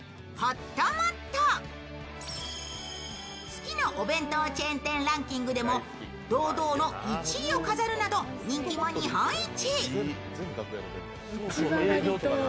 好きなお弁当チェーン店ランキングでも堂々の１位を飾るなど人気も日本一。